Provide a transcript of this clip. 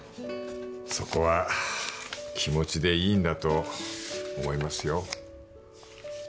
そこは気持ちでいいんだと思いますよ